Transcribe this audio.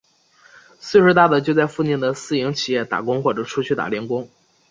岁数大的就在附近的私营企业打工或者去打零工。